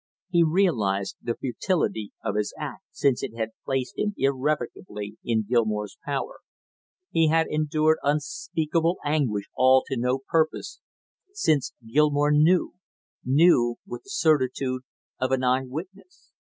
He realized the futility of his act, since it had placed him irrevocably in Gilmore's power. He had endured unspeakable anguish all to no purpose, since Gilmore knew; knew with the certitude of an eye witness.